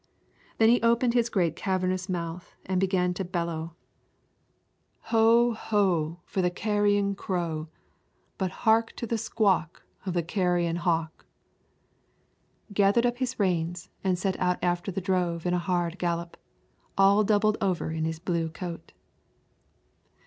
Then he opened his great cavernous mouth and began to bellow, "Ho! ho! for the carrion crow, But hark to the sqawk of the carrion hawk," gathered up his reins and set out after the drove in a hand gallop, all doubled over in his blue coat.